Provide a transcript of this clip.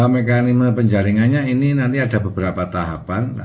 mekanisme penjaringannya ini nanti ada beberapa tahapan